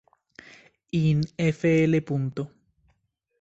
In Fl.